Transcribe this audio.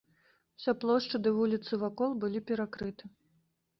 Уся плошча ды вуліцы вакол былі перакрыты.